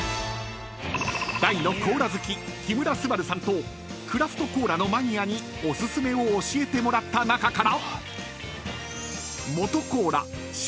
［大のコーラ好き木村昴さんとクラフトコーラのマニアにお薦めを教えてもらった中から］